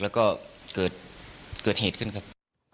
แล้วก็เกิดเหตุขึ้นครับ